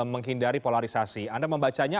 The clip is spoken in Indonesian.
menghindari polarisasi anda membacanya